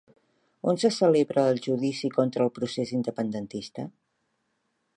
On se celebra el judici contra el procés independentista?